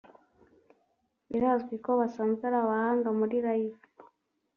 birazwi ko basanzwe ari abahanga muri live